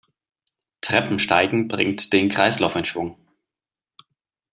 Treppensteigen bringt den Kreislauf in Schwung.